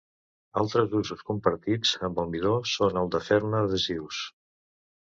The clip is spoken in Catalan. Altres usos compartits amb el midó són el de fer-ne adhesius.